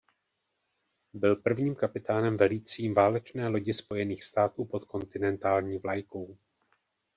Byl prvním kapitánem velícím válečné lodí Spojených států pod kontinentální vlajkou.